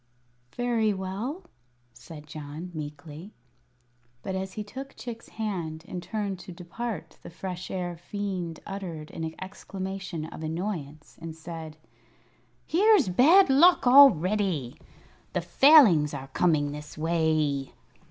"Very well," said John, meekly. But as he took Chick's hand and turned to depart the Fresh Air Fiend uttered an exclamation of annoyance, and said: "Here's bad luck already! The Failings are coming this way."